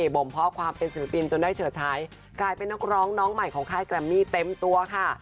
บ่มเพาะความเป็นศิลปินจนได้เฉิดใช้กลายเป็นนักร้องน้องใหม่ของค่ายแกรมมี่เต็มตัวค่ะ